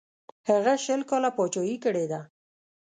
هغه شل کاله پاچهي کړې ده.